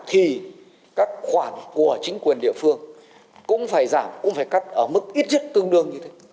thì các khoản của chính quyền địa phương cũng phải giảm cũng phải cắt ở mức ít nhất tương đương như thế